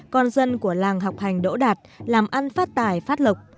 con dân của làng học hành đỗ đạt làm ăn phát tài phát lộc